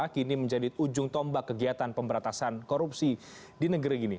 kini menjadi ujung tombak kegiatan pemberantasan korupsi di negeri ini